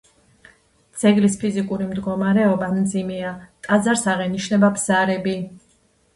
ძეგლის ფიზიკური მდგომარეობა მძიმეა, ტაძარს აღენიშნება ბზარები.